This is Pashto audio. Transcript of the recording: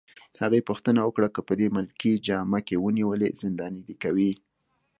هغې پوښتنه وکړه: که په دې ملکي جامه کي ونیولې، زنداني دي کوي؟